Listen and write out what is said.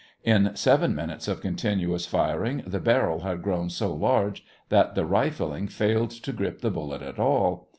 In seven minutes of continuous firing the barrel had grown so large that the rifling failed to grip the bullet at all.